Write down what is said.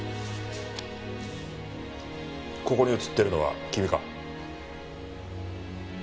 ここに映ってるのは君か？